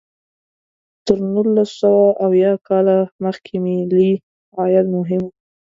تر نولس سوه اویا کال مخکې ملي عاید مهم و.